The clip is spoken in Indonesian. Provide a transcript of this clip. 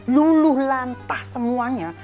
luluh lantah semuanya